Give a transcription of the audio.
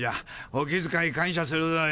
お気づかい感謝するぞよ。